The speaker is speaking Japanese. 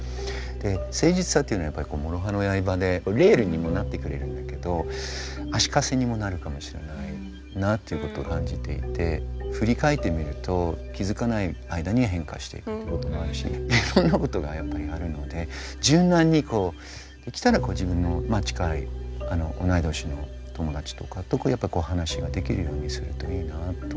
で誠実さっていうのはやっぱり諸刃の剣でレールにもなってくれるんだけど足かせにもなるかもしれないなっていうことを感じていて振り返ってみると気付かない間に変化していくってこともあるしいろんなことがやっぱりあるので柔軟にこうできたら自分の近い同い年の友達とかとやっぱ話ができるようにするといいなとは思いますね。